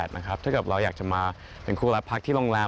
๗๘๐๐นะครับถ้าเกิดเราอยากจะมาเป็นคู่และพักที่โรงแรม